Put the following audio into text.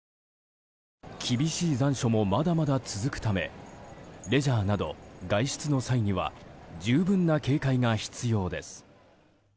厳しい残暑もまだまだ続くためレジャーなど外出の際には十分な警戒が必要です。